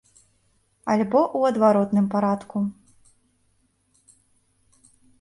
Альбо ў адваротным парадку.